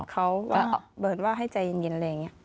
สกิร์จเขาเบิร์ตว่าให้ใจเย็นอะไรอย่างนี้